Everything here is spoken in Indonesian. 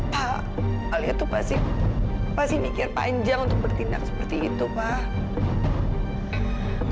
pak alia itu pasti mikir panjang untuk bertindak seperti itu pak